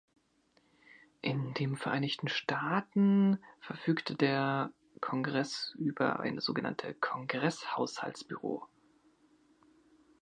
In dem Vereinigten Staaten verfügt der Kongreß über eine sogenannte Kongreß-Haushaltsbüro.